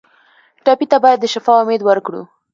ټپي ته باید د شفا امید ورکړو.